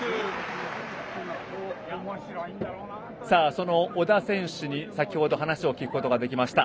その小田選手に先ほど話を聞くことができました。